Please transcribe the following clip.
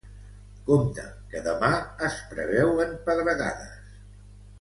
Compte, que demà es preveuen pedregades.